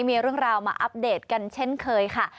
มีเรื่องราวมาอัปเดตกันเช่นเคยค่ะ